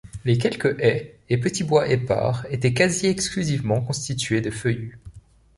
Les quelques haies et petits bois épars étaient quasi exclusivement constitués de feuillus.